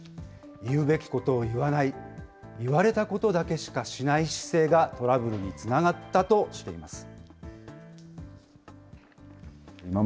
言うべきことを言わない、言われたことだけしかしない姿勢が、トラブルにつながったとしています。